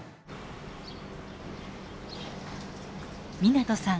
湊さん